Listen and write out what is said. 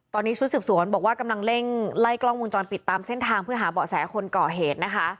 ตอนนี้ชุดสืบสวนบอกว่ากำลังเร่งไล่กล้องวงจรปิดตามเส้นทางเพื่อหาเบาะแสคนก่อเหตุนะคะ